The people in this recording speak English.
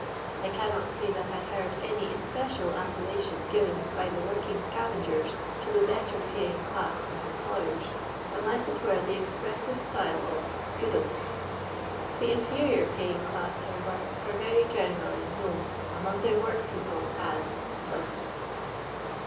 I caimot say that I heard any especial appella tion given by the working scavengers to the better paying class of employers, unless it were the expressive style of " good 'uns." The inferior paying class, however, are very generally known among their work people as " scurfs."